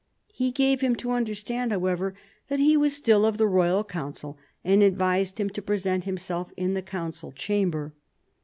He gave him to understand, however, that he was still of the royal Council, and advised him to present himself in the Council chamber.